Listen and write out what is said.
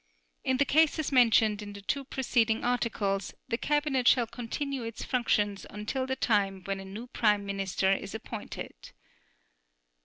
In the cases mentioned in the two preceding articles, the Cabinet shall continue its functions until the time when a new Prime Minister is appointed.